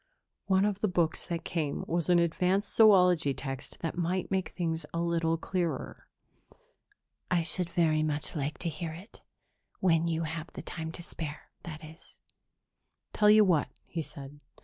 "One of the books that came was an advanced zoology text that might make things a little clearer." "I should very much like to hear it. When you have the time to spare, that is." "Tell you what," he said.